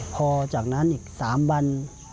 พอจากนั้นอีก๓วัน